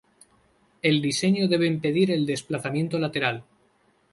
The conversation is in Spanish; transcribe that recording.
El diseño debe impedir el desplazamiento lateral.